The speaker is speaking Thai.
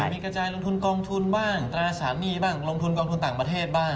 มีกระจายลงทุนกองทุนบ้างตราสารหนี้บ้างลงทุนกองทุนต่างประเทศบ้าง